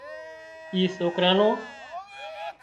اِي سوڪرا نو